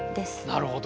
なるほど。